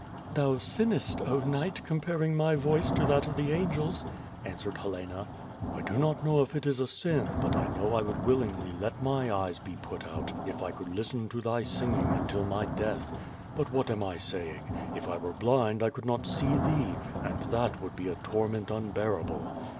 "Thou sinnest. 0 knight, comparing my voice to that of the angels," answered Helena. "I do not know if it is a sin, but I know I would willingly let my eyes be put out if I could listen to thy singing until my death. But what am I saying! If I were blind I could not see thee, and that would be a torment unbearable.'